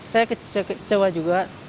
saya kecewa juga